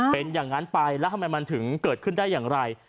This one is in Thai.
เป็นอย่างนั้นไปแล้วทำไมมันถึงเกิดขึ้นได้อย่างไร